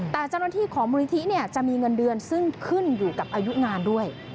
แต่เจ้าหน้าที่ของมูลนิธิจะมีเงินเดือนซึ่งขึ้นอยู่กับอายุงานด้วย